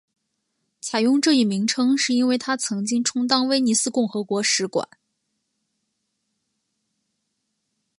采用这一名称是因为它曾经充当威尼斯共和国使馆。